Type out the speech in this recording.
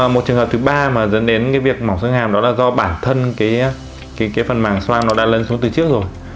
một trường hợp thứ ba mà dẫn đến cái việc mỏng xương hàm đó là do bản thân cái phần màng xoang nó đã lấn xuống từ trước rồi